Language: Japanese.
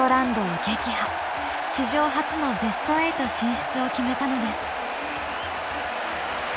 史上初のベスト８進出を決めたのです。